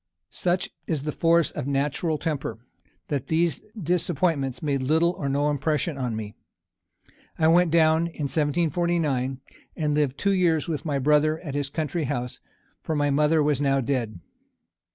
Such is the force of natural temper, that these disappointments made little or no impression on me. I went down, in 1749, and lived two years with my brother at his country house, for my mother was now dead.